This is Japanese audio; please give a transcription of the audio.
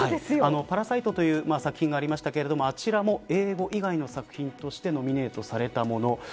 パラサイトという作品がありましたがあちらも英語以外の作品としてノミネートされたもの。